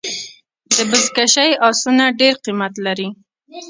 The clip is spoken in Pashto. د بزکشۍ آسونه ډېر قیمت لري.